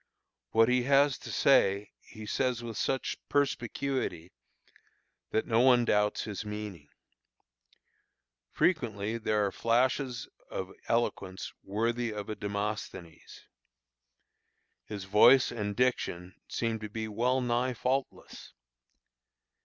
What he has to say he says with such perspicuity that no one doubts his meaning. Frequently there are flashes of eloquence worthy of a Demosthenes. His voice and diction seem to be well nigh faultless.